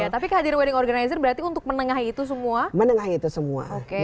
tapi kehadiran wedding organizer berarti untuk menengahi itu semua menengahi itu semua